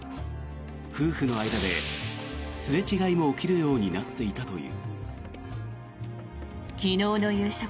夫婦の間で、すれ違いも起きるようになっていたという。